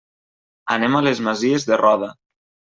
Anem a les Masies de Roda.